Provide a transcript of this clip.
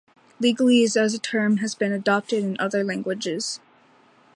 "Legalese", as a term, has been adopted in other languages.